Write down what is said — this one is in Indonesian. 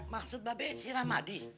maksud babek si ramadi